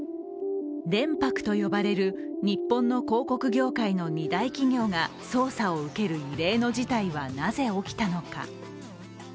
電・博と呼ばれる日本の広告業界の２大企業が捜査を受ける異例の事態はなぜ起きたのか。